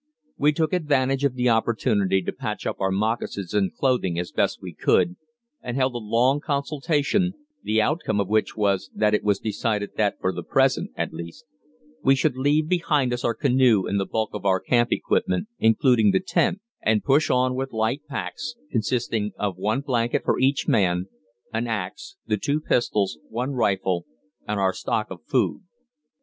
We took advantage of the opportunity to patch up our moccasins and clothing as best we could, and held a long consultation, the outcome of which was, that it was decided that for the present, at least, we should leave behind us our canoe and the bulk of our camp equipment, including the tent, and push on with light packs, consisting of one blanket for each man, an axe, the two pistols, one rifle, and our stock of food.